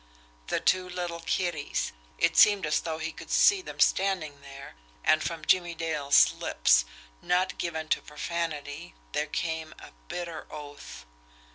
The two little kiddies it seemed as though he could see them standing there and from Jimmie Dale's lips, not given to profanity, there came a bitter oath.